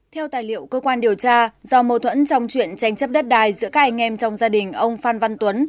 theo tài liệu cơ quan điều tra do mâu thuẫn trong chuyện tranh chấp đất đài giữa các anh em trong gia đình ông phan văn tuấn